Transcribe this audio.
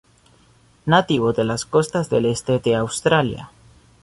Nativo de las costas del este de Australia.